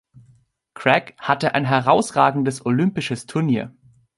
Craig hatte ein herausragendes olympisches Turnier.